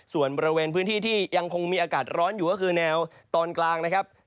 ส่วนบริเวณพื้นที่ที่ยังคงมีอากาศร้อนอยู่ก็คือแนวตอนกลางนะครับ